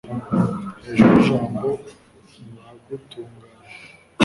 hejuru y'ijambo nka gutungana